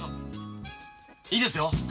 いいですよ。